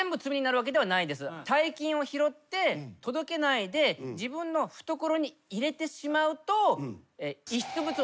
大金を拾って届けないで自分の懐に入れてしまうと。